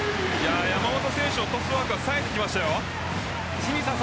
山本選手のトスワークがさえてきましたよ。